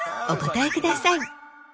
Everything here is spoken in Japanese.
お答えください。